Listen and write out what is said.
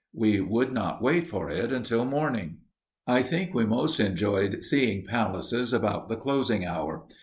We would not wait for it until morning. I think we most enjoyed seeing palaces about the closing hour.